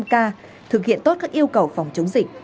năm k thực hiện tốt các yêu cầu phòng chống dịch